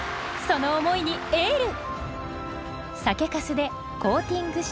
その思いにエール！